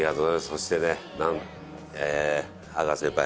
そしてねえー阿川先輩